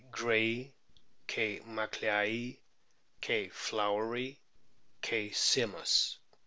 grayi, K. macleayi, K. floweri, K. simus.